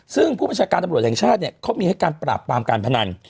ซึ่งผู้บัญชาการตำรวจแห่งชาติเนี่ยเขามีให้การปราบปรามการพนัน